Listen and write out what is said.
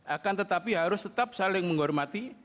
akan tetapi harus tetap saling menghormati